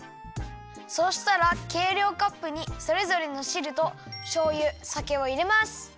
そうしたらけいりょうカップにそれぞれのしるとしょうゆさけをいれます。